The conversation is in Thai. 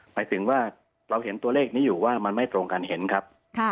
หมายถึงว่าเราเห็นตัวเลขนี้อยู่ว่ามันไม่ตรงกันเห็นครับ